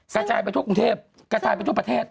กระจายไปทั่วกรุงเทพกระจายไปทั่วประเทศ